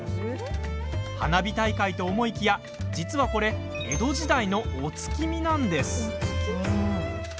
花火大会と思いきや、実はこれ江戸時代のお月見なんです。